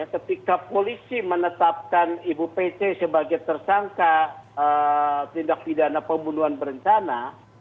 ketika polisi menetapkan ibu pc sebagai tersangka tindak pidana pembunuhan berencana